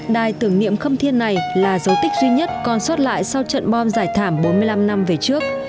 đài tưởng niệm khâm thiên này là dấu tích duy nhất còn sót lại sau trận bom giải thảm bốn mươi năm năm về trước